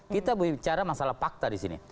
kita bicara masalah fakta di sini